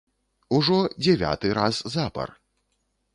Ужо дзевяты раз запар.